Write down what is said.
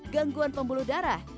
gangguan pembuluh darah